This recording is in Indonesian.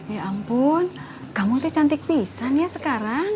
ya ampun kamu tuh cantik pisahnya sekarang